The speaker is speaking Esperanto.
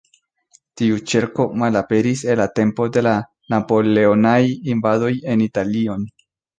Tiu ĉerko malaperis en la tempo de la Napoleonaj invadoj en Italion.